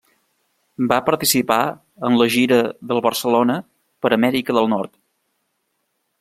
Va participar en la gira del Barcelona per Amèrica del Nord.